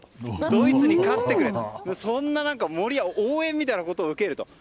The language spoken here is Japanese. ドイツに勝ってくれ！と応援みたいなものを受けると。